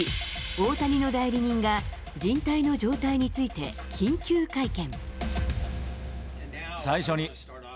大谷の代理人が、じん帯の状態について、緊急会見。